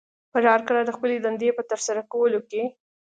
کرار کرار د خپلې دندې په ترسره کولو کې